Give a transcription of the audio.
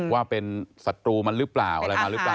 ว่าเป็นศัตรูมันหรือเปล่าอะไรมาหรือเปล่า